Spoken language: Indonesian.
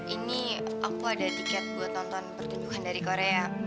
ini aku ada tiket buat nonton pertumbuhan dari korea